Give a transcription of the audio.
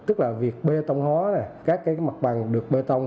tức là việc bê tông hóa các cái mặt bằng được bê tông